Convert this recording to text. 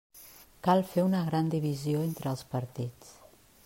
Cal fer una gran divisió entre els partits.